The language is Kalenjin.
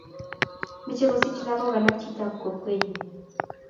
mechei kosich lagok alak chitab kokwenyu